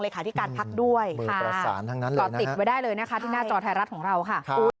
เลยขาดที่การพักด้วยค่ะหลอดติดไว้ได้เลยนะคะที่หน้าจอไทยรัฐของเราค่ะค่ะ